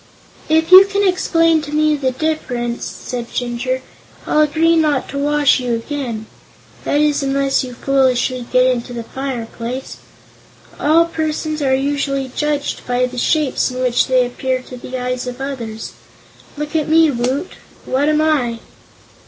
"If you can explain to me the difference," said Jinjur, "I'll agree not to wash you again that is, unless you foolishly get into the fireplace. All persons are usually judged by the shapes in which they appear to the eyes of others. Look at me, Woot; what am I?"